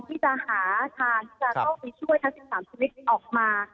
ที่จะหาทางที่จะเข้าไปช่วยทั้ง๑๓ชีวิตออกมา